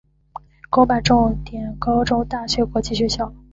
公办重点高中大学国际学校